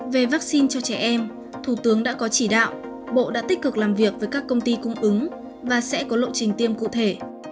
về vaccine cho trẻ em thủ tướng đã có chỉ đạo bộ đã tích cực làm việc với các công ty cung ứng và sẽ có lộ trình tiêm cụ thể